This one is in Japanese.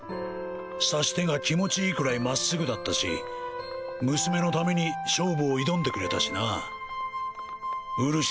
指し手が気持ちいいくらいまっすぐだったし娘のために勝負を挑んでくれたしなうるしも信頼してるみたいだし